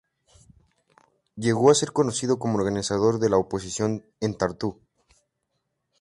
Llegó a ser conocido como organizador de la oposición en Tartu.